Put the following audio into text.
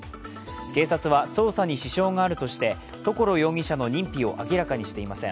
警察は捜査に支障があるとして所容疑者の認否を明らかにしていません。